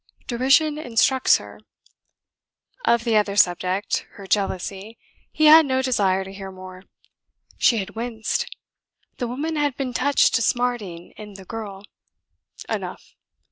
Derision instructs her. Of the other subject her jealousy he had no desire to hear more. She had winced: the woman had been touched to smarting in the girl: enough.